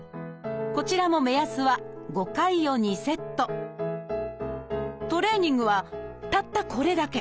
こちらも目安は５回を２セットトレーニングはたったこれだけ。